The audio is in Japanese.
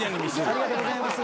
ありがとうございます。